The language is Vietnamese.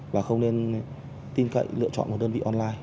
và không nên tin cậy lựa chọn một đơn vị online